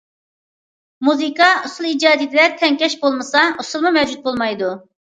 مۇزىكا ئۇسسۇل ئىجادىيىتىدە تەڭكەش بولمىسا، ئۇسسۇلمۇ مەۋجۇت بولمايدۇ.